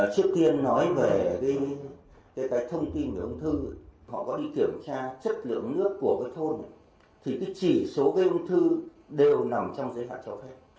trước tiên nói về cái thông tin về ung thư họ có đi kiểm tra chất lượng nước của cái thôn này thì cái chỉ số gây ung thư đều nằm trong giới hạn cho phép